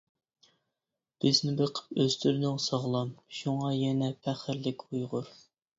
بىزنى بېقىپ ئۆستۈردۈڭ ساغلام، شۇڭا يەنە پەخىرلىك ئۇيغۇر.